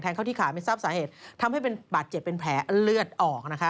เข้าที่ขาไม่ทราบสาเหตุทำให้เป็นบาดเจ็บเป็นแผลเลือดออกนะคะ